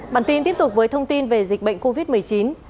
bản tin tiếp tục với thông tin về dịch bệnh covid một mươi chín